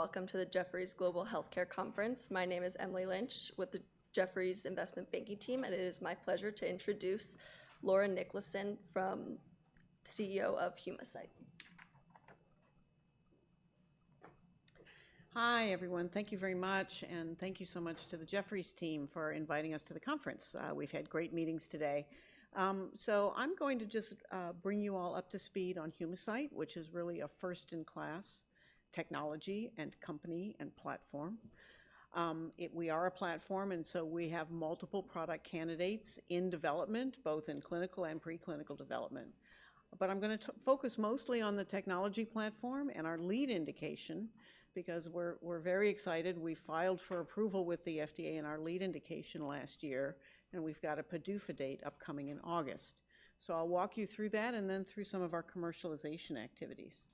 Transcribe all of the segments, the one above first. ...and welcome to the Jefferies Global Healthcare Conference. My name is Emily Lynch, with the Jefferies Investment Banking Team, and it is my pleasure to introduce Laura Niklason from-- CEO of Humacyte. Hi, everyone. Thank you very much, and thank you so much to the Jefferies team for inviting us to the conference. We've had great meetings today. So I'm going to just bring you all up to speed on Humacyte, which is really a first-in-class technology and company and platform. We are a platform, and so we have multiple product candidates in development, both in clinical and preclinical development. But I'm gonna focus mostly on the technology platform and our lead indication because we're very excited. We filed for approval with the FDA in our lead indication last year, and we've got a PDUFA date upcoming in August. So I'll walk you through that and then through some of our commercialization activities.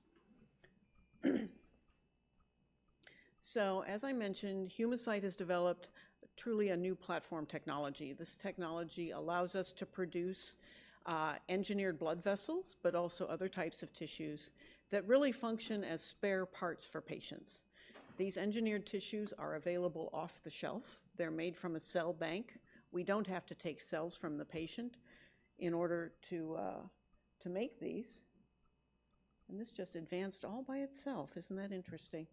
So, as I mentioned, Humacyte has developed truly a new platform technology. This technology allows us to produce engineered blood vessels, but also other types of tissues that really function as spare parts for patients. These engineered tissues are available off the shelf. They're made from a cell bank. We don't have to take cells from the patient in order to make these. And this just advanced all by itself. Isn't that interesting?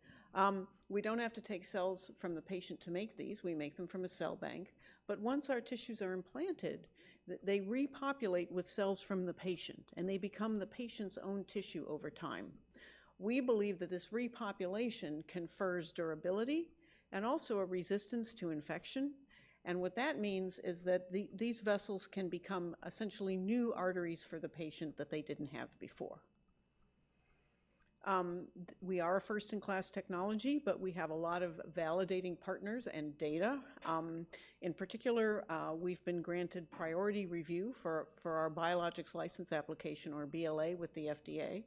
We don't have to take cells from the patient to make these. We make them from a cell bank, but once our tissues are implanted, they repopulate with cells from the patient, and they become the patient's own tissue over time. We believe that this repopulation confers durability and also a resistance to infection, and what that means is that these vessels can become essentially new arteries for the patient that they didn't have before. We are a first-in-class technology, but we have a lot of validating partners and data. In particular, we've been granted priority review for our Biologics License Application, or BLA, with the FDA.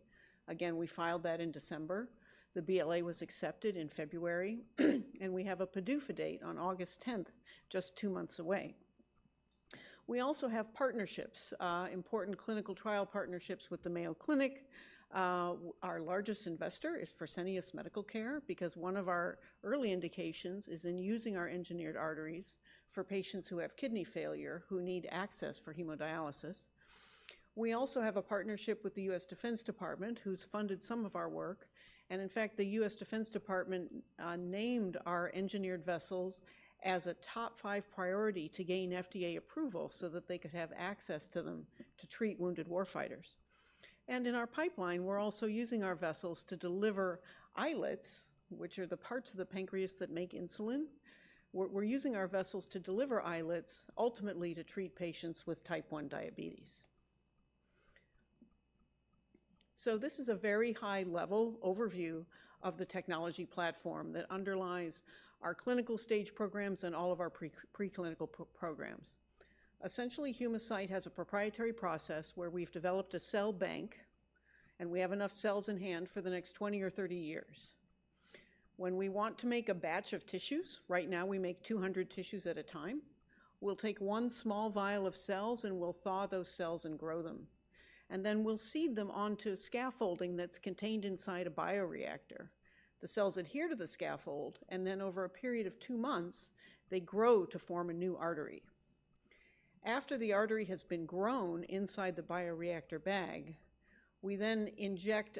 Again, we filed that in December. The BLA was accepted in February, and we have a PDUFA date on August 10, just two months away. We also have partnerships, important clinical trial partnerships with the Mayo Clinic. Our largest investor is Fresenius Medical Care because one of our early indications is in using our engineered arteries for patients who have kidney failure, who need access for hemodialysis. We also have a partnership with the U.S. Department of Defense, who's funded some of our work, and in fact, the U.S. Department of Defense named our engineered vessels as a top 5 priority to gain FDA approval so that they could have access to them to treat wounded war fighters. In our pipeline, we're also using our vessels to deliver islets, which are the parts of the pancreas that make insulin. We're, we're using our vessels to deliver islets, ultimately to treat patients with Type 1 diabetes. This is a very high-level overview of the technology platform that underlies our clinical stage programs and all of our preclinical programs. Essentially, Humacyte has a proprietary process where we've developed a cell bank, and we have enough cells in hand for the next 20 or 30 years. When we want to make a batch of tissues, right now, we make 200 tissues at a time, we'll take one small vial of cells, and we'll thaw those cells and grow them. And then we'll seed them onto scaffolding that's contained inside a bioreactor. The cells adhere to the scaffold, and then over a period of two months, they grow to form a new artery. After the artery has been grown inside the bioreactor bag, we then inject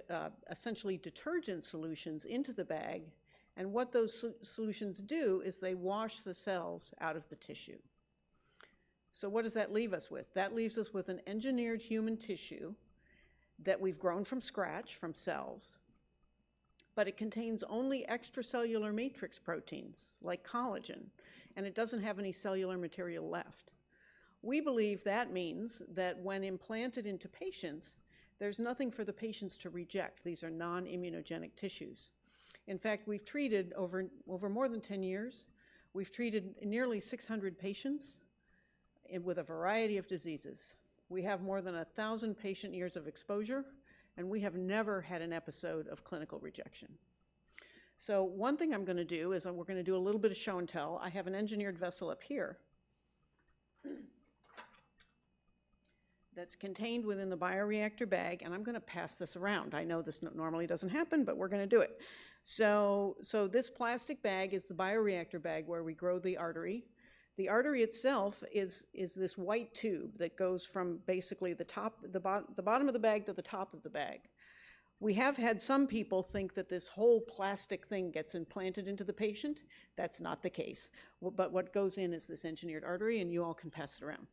essentially detergent solutions into the bag, and what those solutions do is they wash the cells out of the tissue. So what does that leave us with? That leaves us with an engineered human tissue that we've grown from scratch, from cells, but it contains only extracellular matrix proteins, like collagen, and it doesn't have any cellular material left. We believe that means that when implanted into patients, there's nothing for the patients to reject. These are non-immunogenic tissues. In fact, over more than 10 years, we've treated nearly 600 patients and with a variety of diseases. We have more than 1,000 patient years of exposure, and we have never had an episode of clinical rejection. So one thing I'm gonna do is, we're gonna do a little bit of show-and-tell. I have an engineered vessel up here, that's contained within the bioreactor bag, and I'm gonna pass this around. I know this normally doesn't happen, but we're gonna do it. So this plastic bag is the bioreactor bag where we grow the artery. The artery itself is this white tube that goes from basically the bottom of the bag to the top of the bag. We have had some people think that this whole plastic thing gets implanted into the patient. That's not the case. But what goes in is this engineered artery, and you all can pass it around.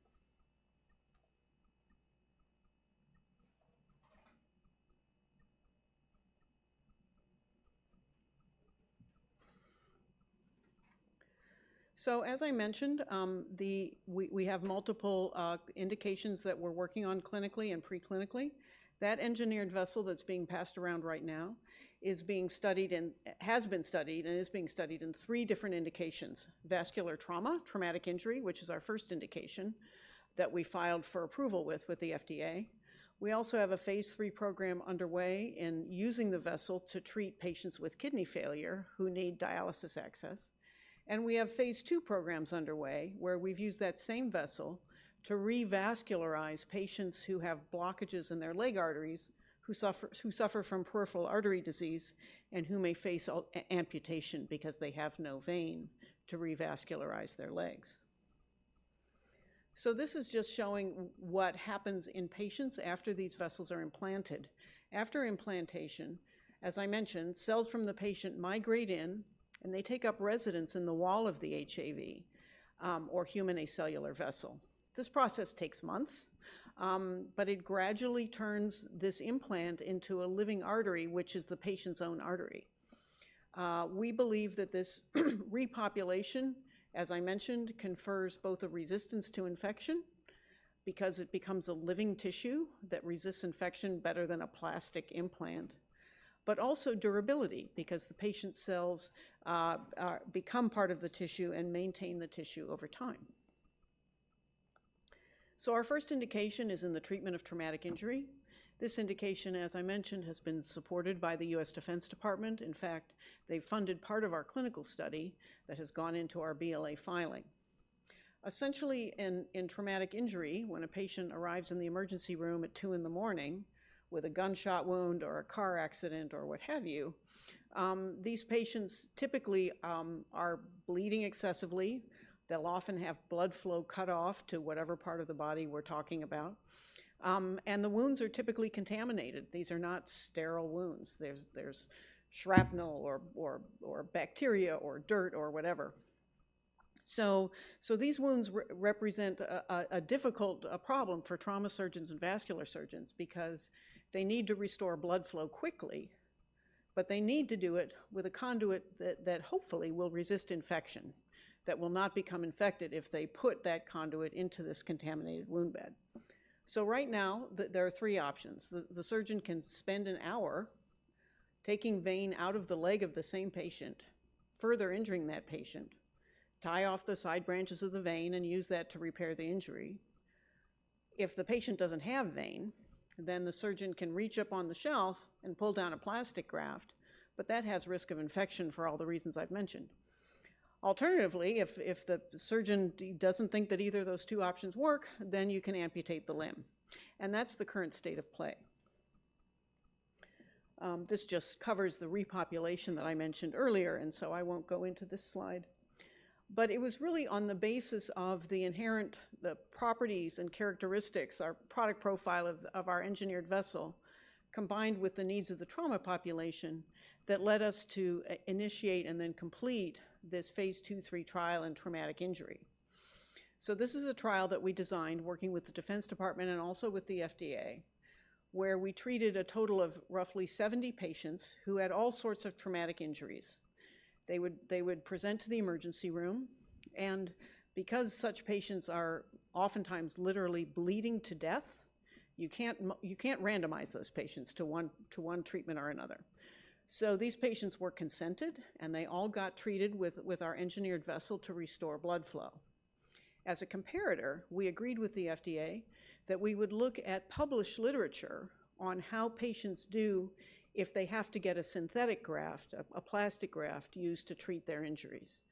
So as I mentioned, we have multiple indications that we're working on clinically and preclinically. That engineered vessel that's being passed around right now is being studied and has been studied and is being studied in three different indications: vascular trauma, traumatic injury, which is our first indication that we filed for approval with the FDA. We also have a phase III program underway in using the vessel to treat patients with kidney failure who need dialysis access, and we have phase II programs underway, where we've used that same vessel to revascularize patients who have blockages in their leg arteries, who suffer from peripheral artery disease and who may face amputation because they have no vein to revascularize their legs. So this is just showing what happens in patients after these vessels are implanted. After implantation, as I mentioned, cells from the patient migrate in, and they take up residence in the wall of the HAV, or Human Acellular Vessels. This process takes months, but it gradually turns this implant into a living artery, which is the patient's own artery. We believe that this repopulation, as I mentioned, confers both a resistance to infection, because it becomes a living tissue that resists infection better than a plastic implant, but also durability, because the patient's cells become part of the tissue and maintain the tissue over time. So our first indication is in the treatment of traumatic injury. This indication, as I mentioned, has been supported by the U.S. Defense Department. In fact, they funded part of our clinical study that has gone into our BLA filing. Essentially, in traumatic injury, when a patient arrives in the emergency room at 2:00 A.M. with a gunshot wound or a car accident or what have you, these patients typically are bleeding excessively. They'll often have blood flow cut off to whatever part of the body we're talking about. And the wounds are typically contaminated. These are not sterile wounds. There's shrapnel or bacteria or dirt or whatever. So these wounds represent a difficult problem for trauma surgeons and vascular surgeons because they need to restore blood flow quickly, but they need to do it with a conduit that hopefully will resist infection, that will not become infected if they put that conduit into this contaminated wound bed. So right now, there are three options. The surgeon can spend an hour taking vein out of the leg of the same patient, further injuring that patient, tie off the side branches of the vein, and use that to repair the injury. If the patient doesn't have vein, then the surgeon can reach up on the shelf and pull down a plastic graft, but that has risk of infection for all the reasons I've mentioned. Alternatively, if the surgeon doesn't think that either of those two options work, then you can amputate the limb, and that's the current state of play. This just covers the repopulation that I mentioned earlier, and so I won't go into this slide. But it was really on the basis of the inherent, the properties and characteristics, our product profile of our engineered vessel, combined with the needs of the trauma population, that led us to initiate and then complete this Phase 2/3 trial in traumatic injury. So this is a trial that we designed working with the Defense Department and also with the FDA, where we treated a total of roughly 70 patients who had all sorts of traumatic injuries. They would, they would present to the emergency room, and because such patients are oftentimes literally bleeding to death, you can't you can't randomize those patients to one, to one treatment or another. So these patients were consented, and they all got treated with our engineered vessel to restore blood flow. As a comparator, we agreed with the FDA that we would look at published literature on how patients do if they have to get a synthetic graft, a plastic graft, used to treat their injuries.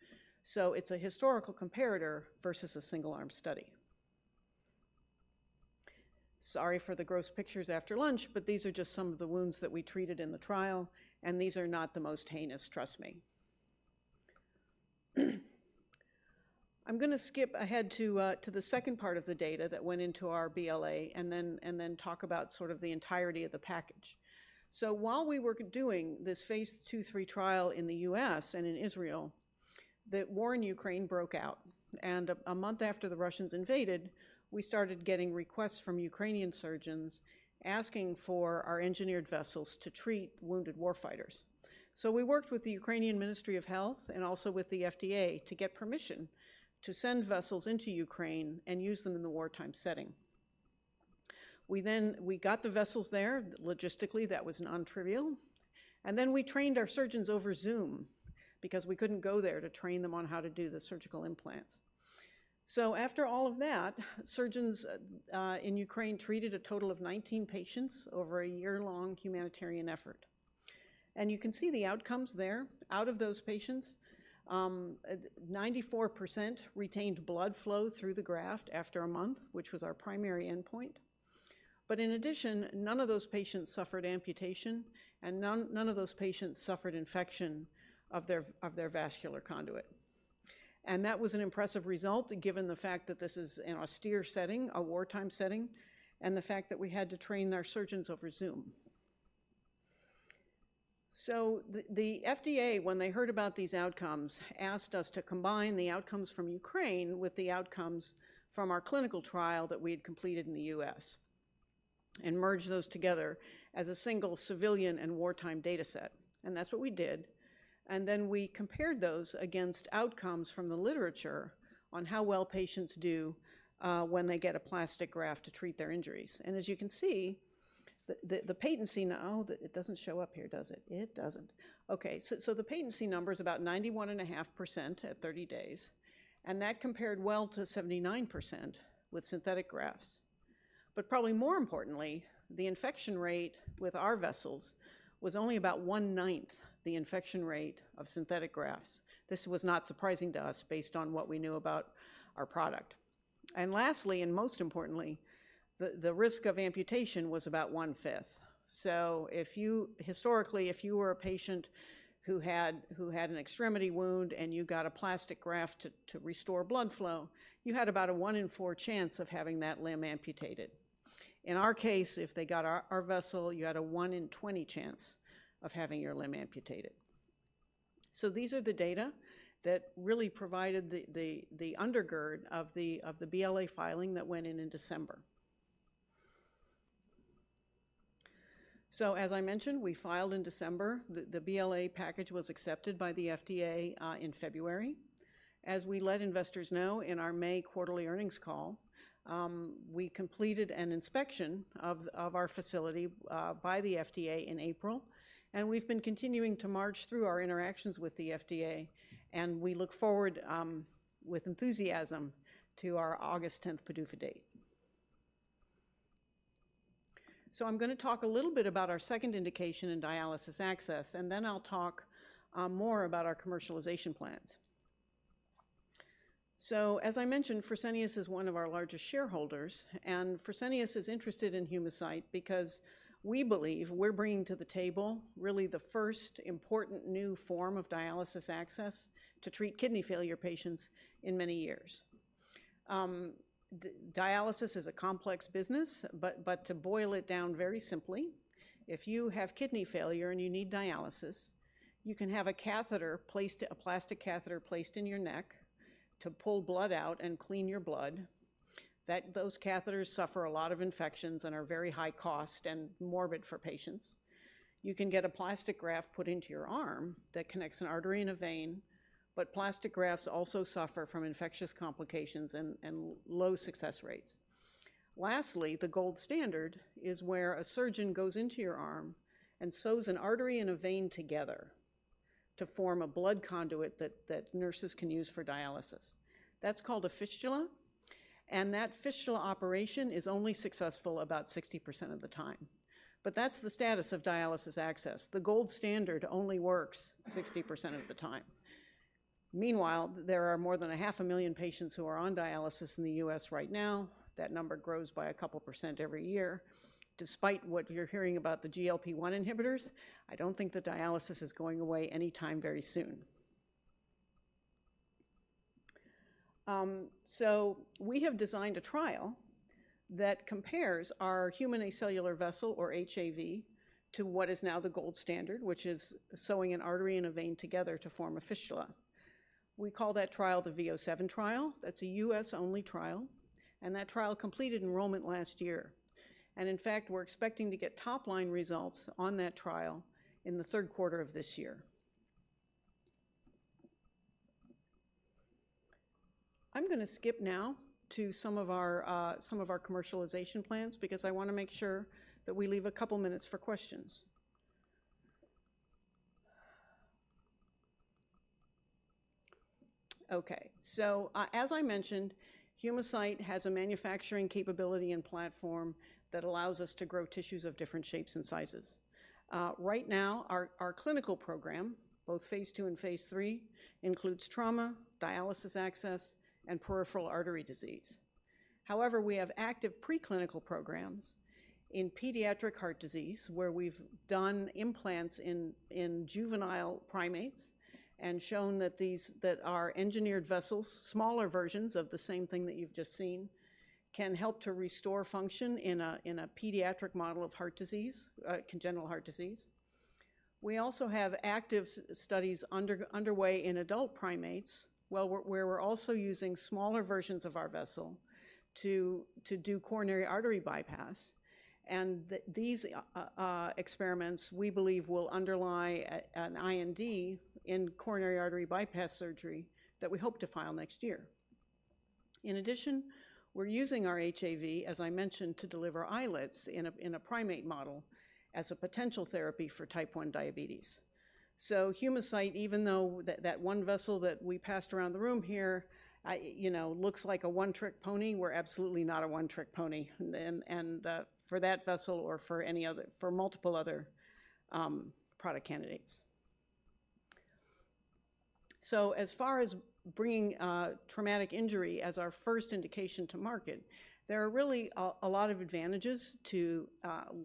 So it's a historical comparator versus a single-arm study. Sorry for the gross pictures after lunch, but these are just some of the wounds that we treated in the trial, and these are not the most heinous, trust me. I'm gonna skip ahead to the second part of the data that went into our BLA, and then talk about sort of the entirety of the package. So while we were doing this Phase 2/3 trial in the U.S. and in Israel, the war in Ukraine broke out, and a month after the Russians invaded, we started getting requests from Ukrainian surgeons asking for our engineered vessels to treat wounded warfighters. So we worked with the Ukrainian Ministry of Health and also with the FDA to get permission to send vessels into Ukraine and use them in the wartime setting. We then got the vessels there. Logistically, that was nontrivial, and then we trained our surgeons over Zoom because we couldn't go there to train them on how to do the surgical implants. So after all of that, surgeons in Ukraine treated a total of 19 patients over a year-long humanitarian effort, and you can see the outcomes there. Out of those patients, 94% retained blood flow through the graft after a month, which was our primary endpoint. But in addition, none of those patients suffered amputation, and none of those patients suffered infection of their vascular conduit. And that was an impressive result, given the fact that this is an austere setting, a wartime setting, and the fact that we had to train our surgeons over Zoom. So the FDA, when they heard about these outcomes, asked us to combine the outcomes from Ukraine with the outcomes from our clinical trial that we had completed in the U.S. and merge those together as a single civilian and wartime dataset, and that's what we did. And then we compared those against outcomes from the literature on how well patients do when they get a plastic graft to treat their injuries. And as you can see, the patency—now, it doesn't show up here, does it? It doesn't. Okay, so the patency number is about 91.5% at 30 days, and that compared well to 79% with synthetic grafts. But probably more importantly, the infection rate with our vessels was only about one-ninth the infection rate of synthetic grafts. This was not surprising to us based on what we knew about our product. And lastly, and most importantly, the risk of amputation was about one-fifth. So if you-- historically, if you were a patient who had an extremity wound, and you got a plastic graft to restore blood flow, you had about a 1 in 4 chance of having that limb amputated. In our case, if they got our vessel, you had a 1 in 20 chance of having your limb amputated. So these are the data that really provided the undergird of the BLA filing that went in in December. So as I mentioned, we filed in December. The BLA package was accepted by the FDA in February. As we let investors know in our May quarterly earnings call, we completed an inspection of our facility by the FDA in April, and we've been continuing to march through our interactions with the FDA, and we look forward with enthusiasm to our August tenth PDUFA date. I'm gonna talk a little bit about our second indication in dialysis access, and then I'll talk more about our commercialization plans. As I mentioned, Fresenius is one of our largest shareholders, and Fresenius is interested in Humacyte because we believe we're bringing to the table really the first important new form of dialysis access to treat kidney failure patients in many years. Dialysis is a complex business, but to boil it down very simply, if you have kidney failure and you need dialysis, you can have a catheter placed, a plastic catheter placed in your neck to pull blood out and clean your blood. Those catheters suffer a lot of infections and are very high cost and morbid for patients. You can get a plastic graft put into your arm that connects an artery and a vein, but plastic grafts also suffer from infectious complications and low success rates. Lastly, the gold standard is where a surgeon goes into your arm and sews an artery and a vein together to form a blood conduit that nurses can use for dialysis. That's called a fistula, and that fistula operation is only successful about 60% of the time. But that's the status of dialysis access. The gold standard only works 60% of the time. Meanwhile, there are more than 500,000 patients who are on dialysis in the U.S. right now. That number grows by a couple percent every year. Despite what you're hearing about the GLP-1 inhibitors, I don't think that dialysis is going away anytime very soon. So we have designed a trial that compares our Human Acellular Vessels, or HAV, to what is now the gold standard, which is sewing an artery and a vein together to form a fistula. We call that trial the V007 trial. That's a U.S.-only trial, and that trial completed enrollment last year. And in fact, we're expecting to get top-line results on that trial in the third quarter of this year. I'm gonna skip now to some of our commercialization plans because I wanna make sure that we leave a couple minutes for questions. Okay, so as I mentioned, Humacyte has a manufacturing capability and platform that allows us to grow tissues of different shapes and sizes. Right now, our clinical program, both phase two and phase three, includes trauma, dialysis access, and peripheral artery disease. However, we have active preclinical programs in pediatric heart disease, where we've done implants in juvenile primates and shown that our engineered vessels, smaller versions of the same thing that you've just seen, can help to restore function in a pediatric model of heart disease, congenital heart disease. We also have active studies underway in adult primates, well, where we're also using smaller versions of our vessel to do coronary artery bypass. And these experiments, we believe, will underlie an IND in coronary artery bypass surgery that we hope to file next year. In addition, we're using our HAV, as I mentioned, to deliver islets in a primate model as a potential therapy for type 1 diabetes. So Humacyte, even though that one vessel that we passed around the room here, you know, looks like a one-trick pony, we're absolutely not a one-trick pony, and for that vessel or for any other—for multiple other product candidates. So as far as bringing traumatic injury as our first indication to market, there are really a lot of advantages to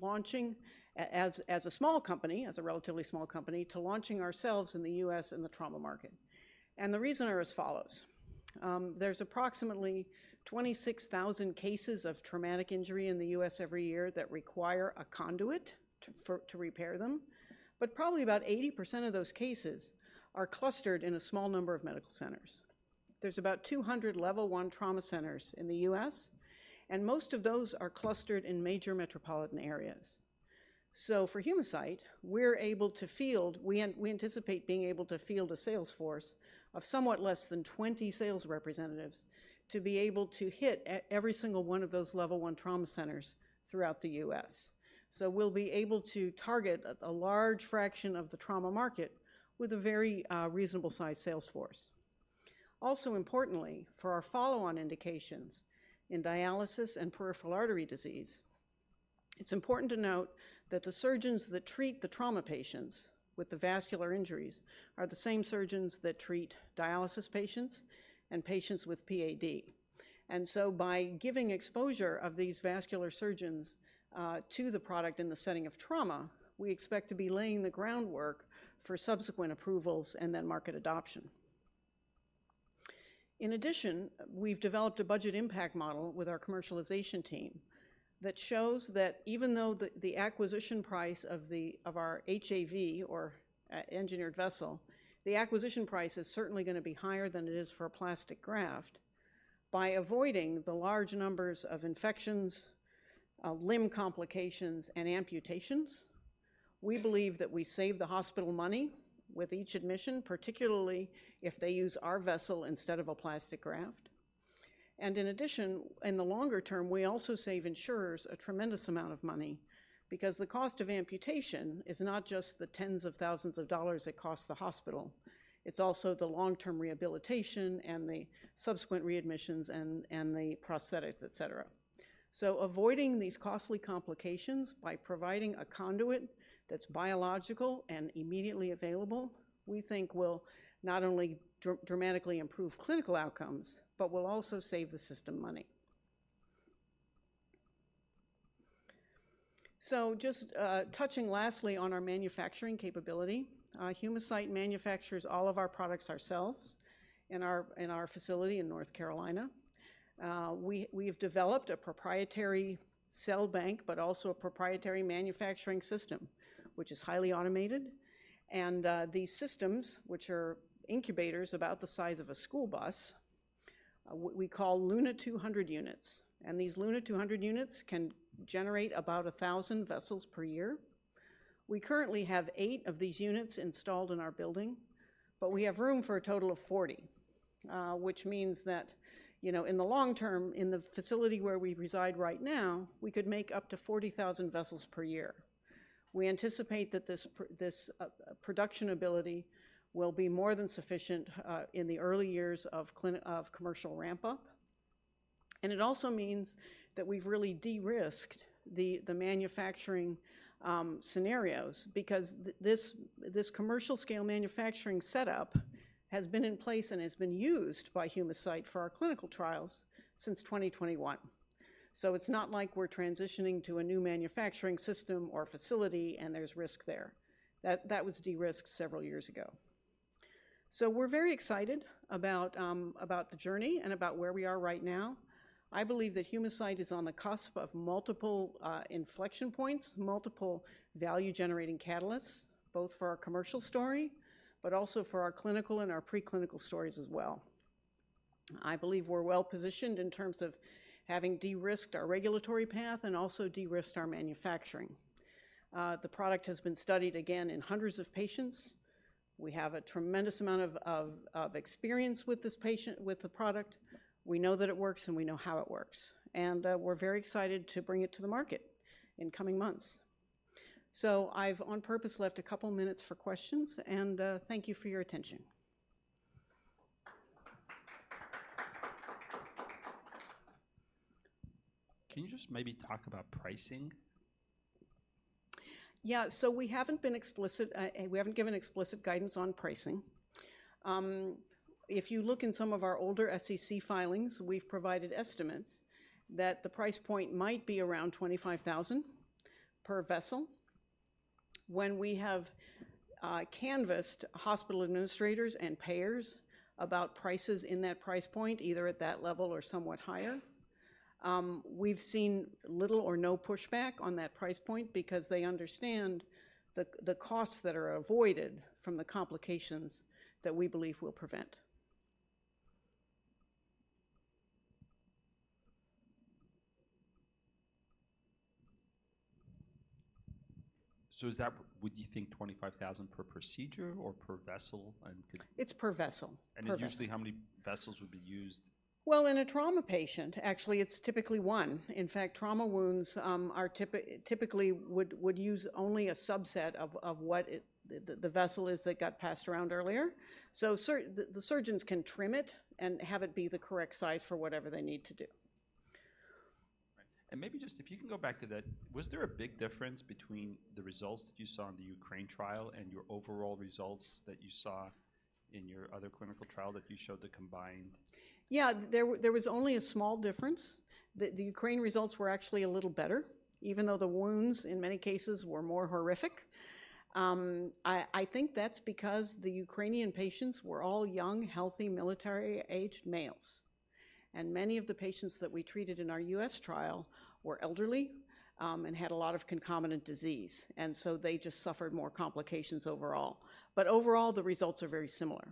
launching as a small company, as a relatively small company, to launching ourselves in the US and the trauma market, and the reason are as follows: There's approximately 26,000 cases of traumatic injury in the US every year that require a conduit to repair them, but probably about 80% of those cases are clustered in a small number of medical centers. There's about 200 Level I trauma centers in the US, and most of those are clustered in major metropolitan areas. So for Humacyte, we're able to field a sales force of somewhat less than 20 sales representatives to be able to hit every single one of those Level I trauma centers throughout the U.S. So we'll be able to target a large fraction of the trauma market with a very reasonable-sized sales force. Also, importantly, for our follow-on indications in dialysis and peripheral artery disease. It's important to note that the surgeons that treat the trauma patients with the vascular injuries are the same surgeons that treat dialysis patients and patients with PAD. And so by giving exposure of these vascular surgeons to the product in the setting of trauma, we expect to be laying the groundwork for subsequent approvals and then market adoption. In addition, we've developed a budget impact model with our commercialization team that shows that even though the acquisition price of our HAV or engineered vessel, the acquisition price is certainly gonna be higher than it is for a plastic graft. By avoiding the large numbers of infections, limb complications, and amputations, we believe that we save the hospital money with each admission, particularly if they use our vessel instead of a plastic graft. And in addition, in the longer term, we also save insurers a tremendous amount of money because the cost of amputation is not just the tens of thousands of dollars it costs the hospital, it's also the long-term rehabilitation and the subsequent readmissions and the prosthetics, et cetera. So avoiding these costly complications by providing a conduit that's biological and immediately available, we think will not only dramatically improve clinical outcomes, but will also save the system money. So just, touching lastly on our manufacturing capability, Humacyte manufactures all of our products ourselves in our, in our facility in North Carolina. We, we've developed a proprietary cell bank, but also a proprietary manufacturing system, which is highly automated. And, these systems, which are incubators about the size of a school bus, we call LUNA200 units, and these LUNA200 units can generate about 1,000 vessels per year. We currently have 8 of these units installed in our building, but we have room for a total of 40, which means that, you know, in the long term, in the facility where we reside right now, we could make up to 40,000 vessels per year. We anticipate that this production ability will be more than sufficient in the early years of commercial ramp-up. And it also means that we've really de-risked the manufacturing scenarios because this commercial-scale manufacturing setup has been in place and has been used by Humacyte for our clinical trials since 2021. So it's not like we're transitioning to a new manufacturing system or facility, and there's risk there. That was de-risked several years ago. So we're very excited about the journey and about where we are right now. I believe that Humacyte is on the cusp of multiple, inflection points, multiple value-generating catalysts, both for our commercial story, but also for our clinical and our preclinical stories as well. I believe we're well-positioned in terms of having de-risked our regulatory path and also de-risked our manufacturing. The product has been studied again in hundreds of patients. We have a tremendous amount of experience with the product. We know that it works, and we know how it works, and we're very excited to bring it to the market in coming months. So I've, on purpose, left a couple of minutes for questions, and thank you for your attention. Can you just maybe talk about pricing? Yeah. So we haven't been explicit. We haven't given explicit guidance on pricing. If you look in some of our older SEC filings, we've provided estimates that the price point might be around $25,000 per vessel. When we have canvassed hospital administrators and payers about prices in that price point, either at that level or somewhat higher, we've seen little or no pushback on that price point because they understand the costs that are avoided from the complications that we believe we'll prevent. So is that, would you think $25,000 per procedure or per vessel? And could- It's per vessel. Per vessel. Usually, how many vessels would be used? Well, in a trauma patient, actually, it's typically one. In fact, trauma wounds are typically would use only a subset of what the vessel is that got passed around earlier. So the surgeons can trim it and have it be the correct size for whatever they need to do. Right. Maybe just if you can go back to that, was there a big difference between the results that you saw in the Ukraine trial and your overall results that you saw in your other clinical trial that you showed the combined? Yeah, there was only a small difference. The Ukraine results were actually a little better, even though the wounds, in many cases, were more horrific. I think that's because the Ukrainian patients were all young, healthy, military-aged males, and many of the patients that we treated in our US trial were elderly, and had a lot of concomitant disease, and so they just suffered more complications overall. But overall, the results are very similar.